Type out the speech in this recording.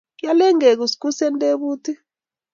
kialeni kikuskusken tebutik.